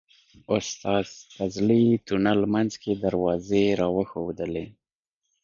استاد فضلي تونل منځ کې دروازې راوښودلې.